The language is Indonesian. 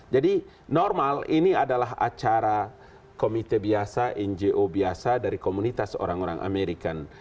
jadi normal ini adalah acara komite biasa ngo biasa dari komunitas orang orang american